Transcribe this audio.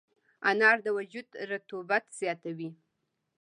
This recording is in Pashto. انار د وجود رطوبت زیاتوي.